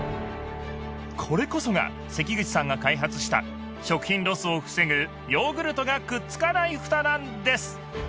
これこそが関口さんが開発した食品ロスを防ぐ「ヨーグルトがくっつかないフタ」なんです！